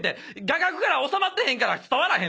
画角に収まってへんから伝わらへん。